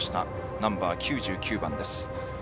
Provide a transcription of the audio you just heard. ナンバー９９番です。